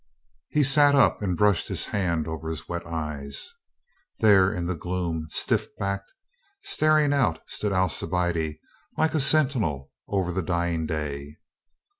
He sat up and brushed his hand over his wet eyes. There in the gloom, stiff backed, staring out, stood Alcibiade, like a sentinel over the dying day.